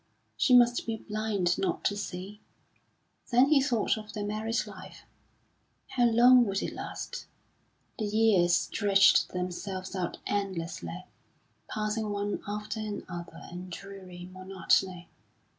She must be blind not to see. Then he thought of their married life. How long would it last? The years stretched themselves out endlessly, passing one after another in dreary monotony.